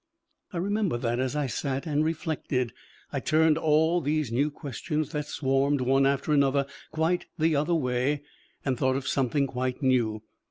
I remember that as I sat and reflected, I turned all these new questions that swarmed one after another quite the other way, and thought of something quite new.